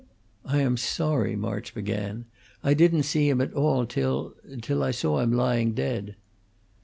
"I am sorry," March began, "I didn't see him at all till till I saw him lying dead."